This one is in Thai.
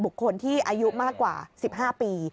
บุคคลที่อายุมากกว่า๑๕ปี